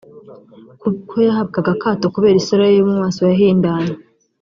kuko yahabwaga akato kubera isura ye yo mu maso yahindanye